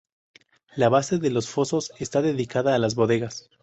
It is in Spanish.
La base de los fosos está dedicada a las bodegas.